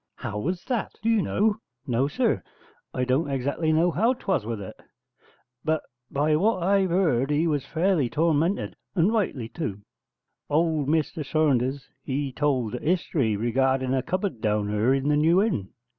'How was that, do you know?' 'No, sir, I don't exactly know how 'twas with it: but by what I've 'eard he was fairly tormented; and rightly tu. Old Mr Saunders, he told a history regarding a cupboard down yurr in the New Inn.